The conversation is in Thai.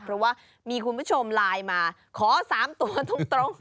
เพราะว่ามีคุณผู้ชมไลน์มาขอ๓ตัวตรง